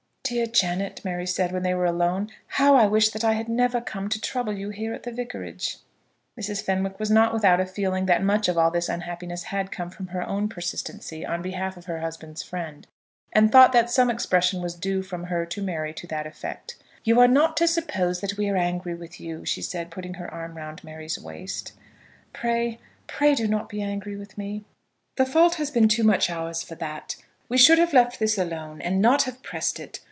"Dear Janet," Mary said, when they were alone, "how I wish that I had never come to trouble you here at the vicarage!" Mrs. Fenwick was not without a feeling that much of all this unhappiness had come from her own persistency on behalf of her husband's friend, and thought that some expression was due from her to Mary to that effect. "You are not to suppose that we are angry with you," she said, putting her arm round Mary's waist. "Pray, pray do not be angry with me." "The fault has been too much ours for that. We should have left this alone, and not have pressed it.